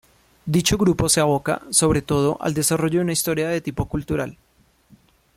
Dicho grupo se aboca, sobre todo, al desarrollo de una historia de tipo cultural.